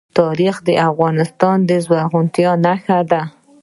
تاریخ د افغانستان د زرغونتیا نښه ده.